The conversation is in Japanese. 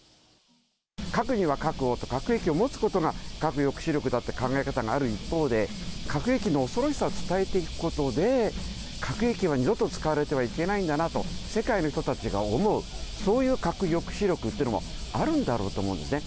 核には核をと、核兵器を持つことが核抑止力だって考え方がある一方で、核兵器の恐ろしさを伝えていくことで、核兵器は二度と使われてはいけないんだなと世界の人たちが思う、そういう核抑止力というのもあるんだろうと思うんですね。